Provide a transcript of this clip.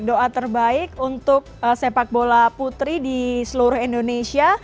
doa terbaik untuk sepak bola putri di seluruh indonesia